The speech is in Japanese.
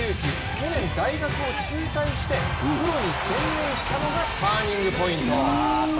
去年、大学を中退してプロに専念したのがターニングポイント。